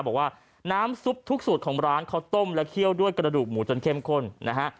บอกว่าน้ำซุปทุกสูตรของร้านเขาต้มและเคี่ยวด้วยกระดูกหมูจนเข้มข้นนะฮะ